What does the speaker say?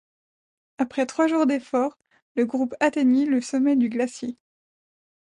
Après trois jours d'efforts, le groupe atteignit le sommet du glacier.